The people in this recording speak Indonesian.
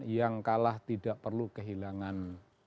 yang kalah tidak perlu kehilangan